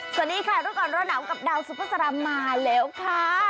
สวัสดีค่ะรถกรรมรถหนาวกับดาวซุปเปอร์สารามมาแล้วค่ะ